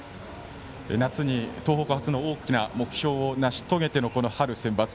夏に東北初の大きな目標を成し遂げての春センバツ。